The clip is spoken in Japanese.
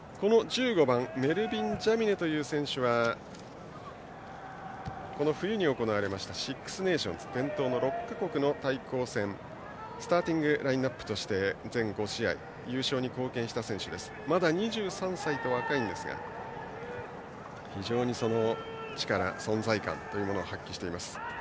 １５番、メルヴィン・ジャミネという選手はこの冬に行われたシックス・ネーションズ６か国の対抗戦スターティングラインアップで全５試合、優勝に貢献した選手でまだ２３歳と若いんですが非常に力、存在感を発揮しています。